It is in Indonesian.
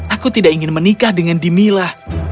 aku tidak ingin menikah dengan dimi lah